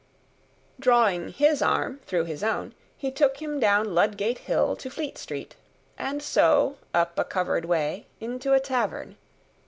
Drawing his arm through his own, he took him down Ludgate hill to Fleet street, and so, up a covered way, into a tavern.